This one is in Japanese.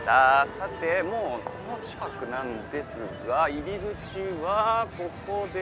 さてもうこの近くなんですが入り口はここです。